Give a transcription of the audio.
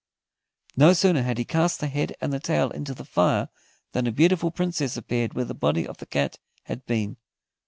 No sooner had he cast the head and the tail into the fire than a beautiful Princess appeared where the body of the cat had been.